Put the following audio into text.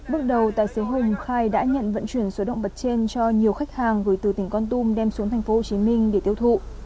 bước đầu tài xế hùng khai đã nhận vận chuyển số động vật trên cho nhiều khách hàng gửi từ tỉnh con tum đem xuống thành phố hồ chí minh để tiêu thụ